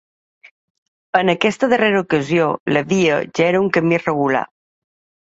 En aquesta darrera ocasió la via ja era un camí regular.